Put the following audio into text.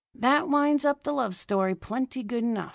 That winds up the love story plenty good enough.